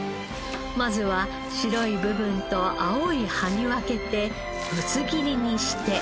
まずは白い部分と青い葉に分けてぶつ切りにして。